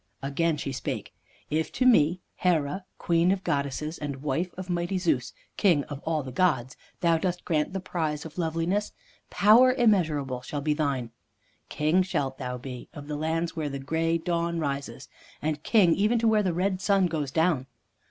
Again she spake: "If to me, Hera, queen of goddesses, and wife of mighty Zeus, king of all the gods, thou dost grant the prize of loveliness, Power immeasurable shall be thine. King shalt thou be of the lands where the gray dawn rises, and king even to where the red sun goes down.